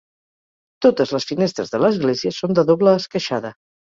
Totes les finestres de l'església són de doble esqueixada.